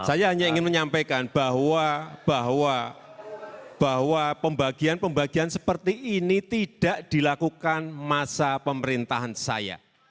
saya hanya ingin menyampaikan bahwa pembagian pembagian seperti ini tidak dilakukan masa pemerintahan saya